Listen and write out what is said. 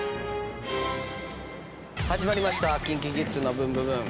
始まりました『ＫｉｎＫｉＫｉｄｓのブンブブーン！』